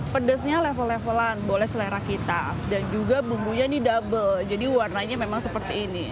pedesnya level levelan boleh selera kita dan juga bumbunya ini double jadi warnanya memang seperti ini